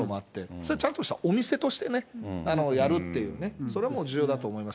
それはちゃんとしたお店としてね、やるっていうね、それはもう重要だと思います。